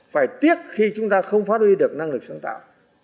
phải tiếc khi chúng ta không phát huy được năng lực sáng tạo